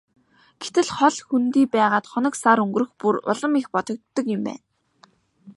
Гэтэл хол хөндий байгаад хоног сар өнгөрөх бүр улам их бодогддог юм байна.